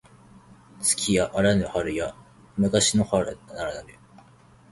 月やあらぬ春や昔の春ならぬ